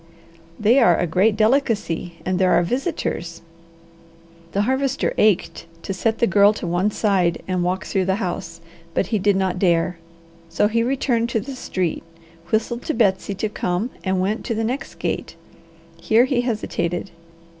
"They are a great delicacy, and there are visitors." The Harvester ached to set the girl to one side and walk through the house, but he did not dare; so he returned to the street, whistled to Betsy to come, and went to the next gate. Here he hesitated.